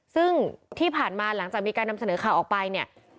ซึ่งที่ผ่านมาหลังจากมีการนำเสนอข่าวออกไปเนี่ย